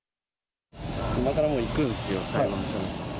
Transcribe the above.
今から、もう行くんですよ、裁判所に。